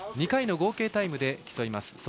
２回の合計タイムで競います。